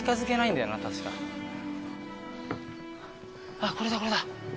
あっこれだこれだ。